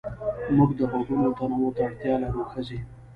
موږ د غږونو تنوع ته اړتيا لرو ښځې